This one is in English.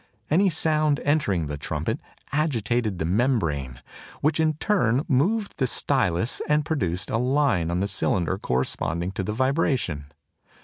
Any sound entering the trumpet agitated the membrane, which in turn moved the stylus and produced a line on the cylinder corresponding to the vibration.